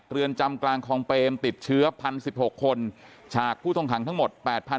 เรือนจำกลางคลองเปมติดเชื้อ๑๐๑๖คนฉากผู้ต้องขังทั้งหมด